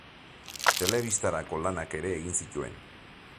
Telebistarako lanak ere egin zituen.